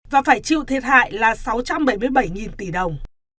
và phải chịu thiệt hại là sáu trăm bảy mươi bảy tỷ đồng